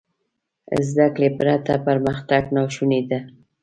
زده کړې پرته پرمختګ ناشونی دی.